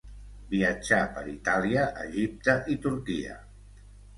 Viatjà per Itàlia, Egipte i Turquia.